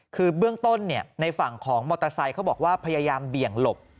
คือเบื้องต้นในฝั่งของมอเตอร์ไซค์เขาบอกว่าพยายามเบี่ยงหลบ